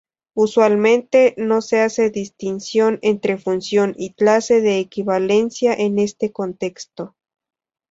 Usualmente no se hace distinción entre función y clase de equivalencia en este contexto.